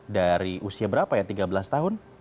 dari usia berapa ya tiga belas tahun